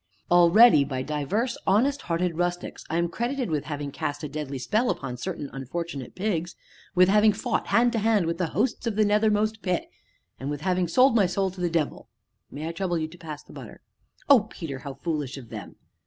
"Already, by divers honest hearted rustics, I am credited with having cast a deadly spell upon certain unfortunate pigs, with having fought hand to hand with the hosts of the nethermost pit, and with having sold my soul to the devil may I trouble you to pass the butter?" "Oh, Peter, how foolish of them!"